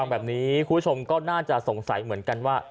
แบบนี้คุณผู้ชมก็น่าจะสงสัยเหมือนกันว่า